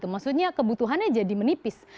maksudnya kebutuhannya jadi menipis